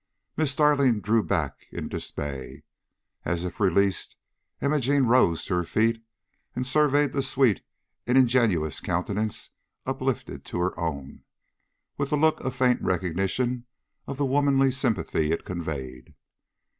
Miss Darling drew back in dismay. As if released, Imogene rose to her feet and surveyed the sweet and ingenuous countenance uplifted to her own, with a look of faint recognition of the womanly sympathy it conveyed.